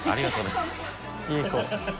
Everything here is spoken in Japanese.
いい子。